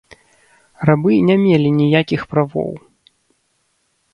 Рабы не мелі ніякіх правоў.